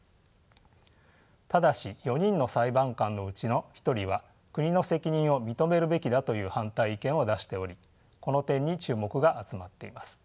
ただし４人の裁判官のうちの１人は国の責任を認めるべきだという反対意見を出しておりこの点に注目が集まっています。